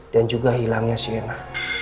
dan juga hilangnya siena